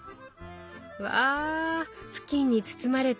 わ布巾に包まれて。